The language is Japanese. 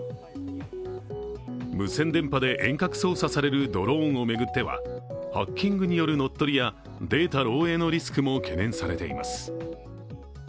無線電波で遠隔操作されるドローンを巡っては、ハッキングによる乗っ取りやデータ漏えいのリスクなども懸念されています。